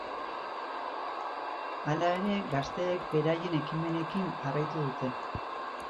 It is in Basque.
Hala ere, gazteek beraien ekimenekin jarraitu dute.